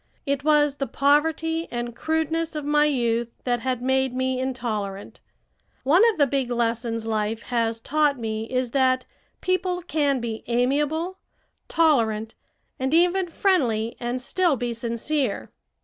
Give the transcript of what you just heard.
It was the poverty and crudeness of my youth that had made me intolerant. One of the big lessons life has taught me is that people can be amiable, tolerant, and even friendly, and still be sincere.